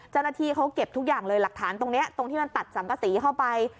เจ้าหน้าที่เขาเก็บทุกอย่างเลยหลักฐานตรงนี้ตรงที่มันตัดสังกษีเข้าไป